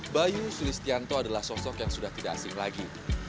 bayu sulistianto adalah sosok yang sudah tidak asing lagi